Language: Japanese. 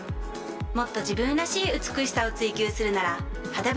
もっと自分らしい「美しさ」を追求するなら「肌分析」！